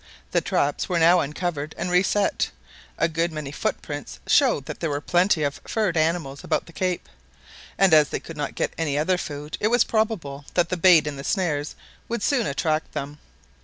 The traps were now uncovered and re set. A good many footprints showed that there were plenty of furred animals about the cape, and as they could not get any other food, it was probable that the bait in the snares would soon attract them.